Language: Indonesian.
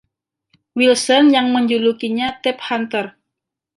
Willson yang menjulukinya “Tab Hunter”.